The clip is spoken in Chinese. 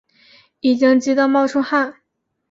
已经急的冒出汗